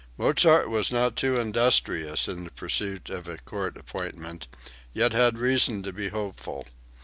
Mozart was not too industrious in the pursuit of a court appointment, yet had reason to be hopeful.